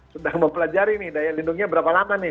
sudah mempelajari nih daya lindungnya berapa lama nih